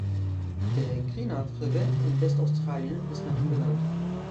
Der Greenough River in Westaustralien ist nach ihm benannt.